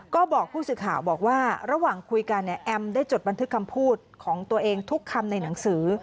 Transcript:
ก็บอกผู้สื่อข่าวบอกว่าระหว่างคุยกันเนี่ยแอมได้จดบันทึกคำพูดของตัวเองทุกคำในหนังสือ